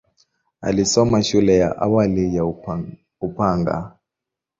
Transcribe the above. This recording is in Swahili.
Alisoma shule ya awali ya Upanga.